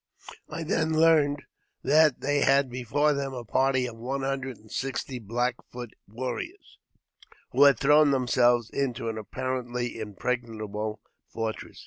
I then learned that they had before them a party of one hundred and sixty Black Foot warriors, who had thrown them selves into an apparently impregnable fortress.